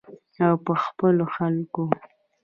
او په خپلو خلکو.